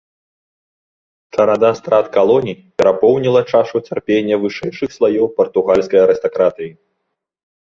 Чарада страт калоній перапоўніла чашу цярпення вышэйшых слаёў партугальскай арыстакратыі.